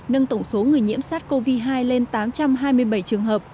nâng tổng số người nhiễm sát covid một mươi chín lên tám trăm hai mươi bảy trường hợp